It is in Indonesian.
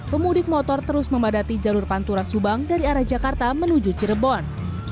pemudik motor terus memadati jalur pantura subang dari arah jakarta menuju cirebon